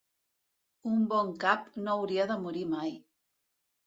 Un bon cap no hauria de morir mai.